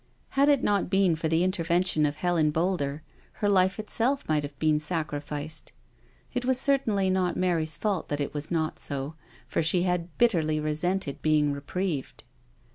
Had it not been for the intervention of Helen Boulder, her life itself might have been (sacrificed. It was certainly not Mary's fault that it was not so, for she had bitterly resented being reprieved.